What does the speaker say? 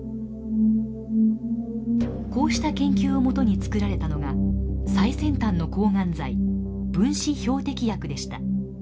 こうした研究を基に作られたのが最先端の抗がん剤分子標的薬でした。